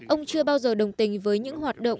ông chưa bao giờ đồng tình với những hoạt động